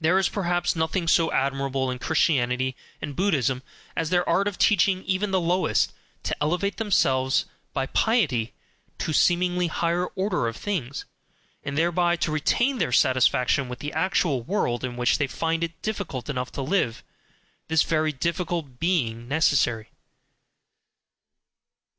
There is perhaps nothing so admirable in Christianity and Buddhism as their art of teaching even the lowest to elevate themselves by piety to a seemingly higher order of things, and thereby to retain their satisfaction with the actual world in which they find it difficult enough to live this very difficulty being necessary.